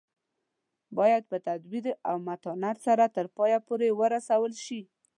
باید په تدبیر او متانت سره تر پایه پورې ورسول شي.